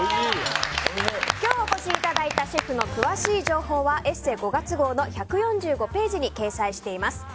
今日お越しいただいたシェフの詳しい情報は「ＥＳＳＥ」５月号の１４５ページに掲載しています。